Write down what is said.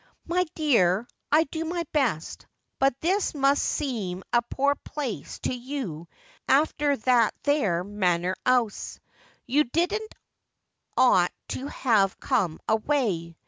' My dear, I do my best, but this must seem a poor place to you after that there Manor 'ouse. You didn't ought to have come away.